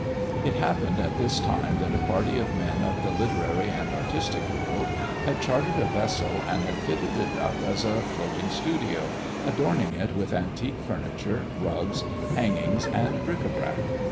It happened at this time that a party of men of the literary and artistic world had chartered a vessel and had fitted it up as a floating studio, adorning it with antique furniture, rugs, hangings, and bric à brac.